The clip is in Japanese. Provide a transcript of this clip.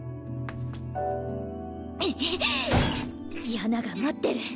ヤナが待ってる